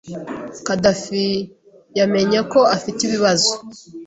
Khadafi yamenye ko afite ibibazo.